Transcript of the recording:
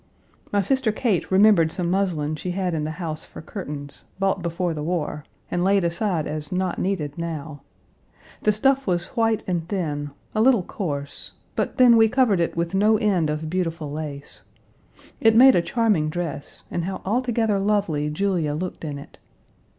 My sister Kate remembered some muslin she had in the house for curtains, bought before the war, and laid aside as not needed now. The stuff was white and thin, a little coarse, but then we covered it with no end of beautiful lace. It made a charming dress, and how altogether lovely Julia looked in it!